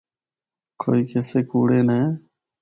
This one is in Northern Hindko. کوئی قصے کوڑے نے۔